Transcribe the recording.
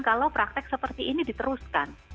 kalau praktek seperti ini diteruskan